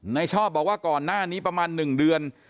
ไหนชอบบอกว่าก่อนหน้านี้ประมาณหนึ่งเดือน